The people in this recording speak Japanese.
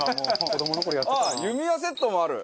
子どもの頃やってたな。